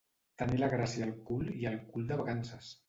Tenir la gràcia al cul i el cul de vacances.